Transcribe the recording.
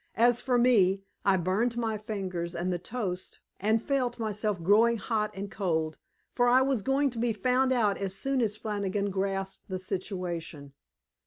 As for me, I burned my fingers and the toast, and felt myself growing hot and cold, for I was going to be found out as soon as Flannigan grasped the situation.